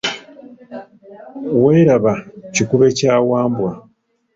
Weeraba kikube kya Wambwa